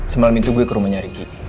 semalam itu gue ke rumahnya ricky